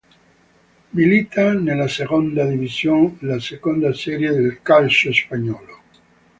Milita nella Segunda División, la seconda serie del calcio spagnolo.